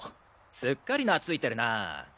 すっかりなついてるな。